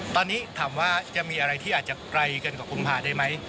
ตอนนี้ถามว่าจะมีอะไรที่อาจจะไกลเกินกว่ากุมภาได้ไหม